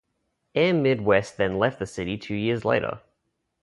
Air Midwest then left the city two years later.